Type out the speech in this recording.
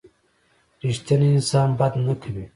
رښتینی انسان بد نه کوي.